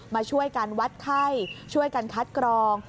มาช่วยกันวัดไข้ช่วยกันคัดกรอง